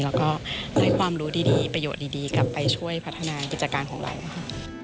แล้วก็ได้ความรู้ดีประโยชน์ดีกลับไปช่วยพัฒนากิจการของเรานะคะ